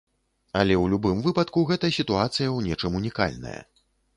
Але ў любым выпадку гэта сітуацыя ў нечым унікальная.